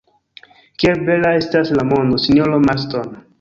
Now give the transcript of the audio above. Kiel bela estas la mondo, sinjoro Marston!